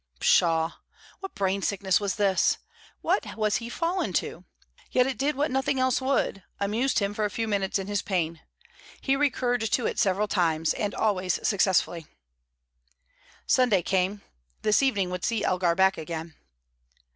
Pshaw! what brain sickness was this! What was he fallen to! Yet it did what nothing else would, amused him for a few minutes in his pain. He recurred to it several times, and always successfully. Sunday came. This evening would see Elgar back again.